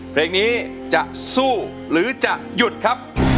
เพลงนี้จะสู้หรือจะ